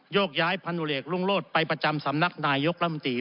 โยกย้ายพรุนเหลคลุงโลศไปประจำสำนักนายยกรมตรี